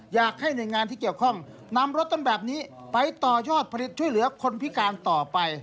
อยากให้หน่วยงานที่เกี่ยวข้องนำรถต้นแบบนี้ไปต่อยอดผลิตช่วยเหลือคนพิการต่อไป